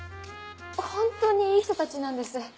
本当にいい人たちなんです。